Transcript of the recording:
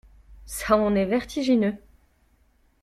Ça en est vertigineux.